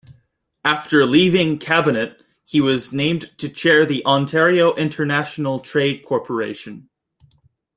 After leaving cabinet, he was named to chair the Ontario International Trade Corporation.